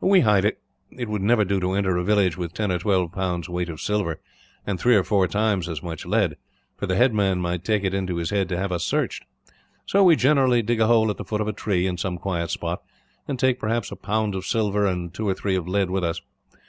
"We hide it. It would never do to enter a village with ten or twelve pounds' weight of silver, and three or four times as much lead, for the headman might take it into his head to have us searched. So we generally dig a hole at the foot of a tree, in some quiet spot; and take, perhaps, a pound of silver and two or three of lead with us.